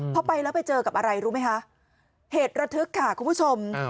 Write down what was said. พอไปแล้วไปเจอกับอะไรรู้ไหมคะเหตุระทึกค่ะคุณผู้ชม